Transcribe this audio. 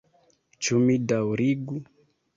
Ĉu mi daŭrigu?